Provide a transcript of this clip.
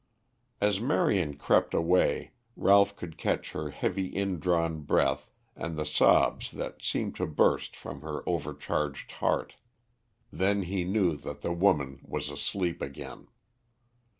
As Marion crept away Ralph could catch her heavy indrawn breath and the sobs that seemed to burst from her overcharged heart. Then he knew that the woman was asleep again.